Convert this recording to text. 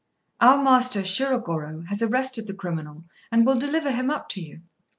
Our master Shirogorô has arrested the criminal, and will deliver him up to you.